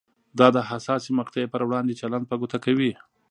دا د حساسې مقطعې پر وړاندې چلند په ګوته کوي.